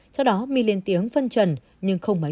sau đó my lên tiếng phân trần nhưng không máy tìm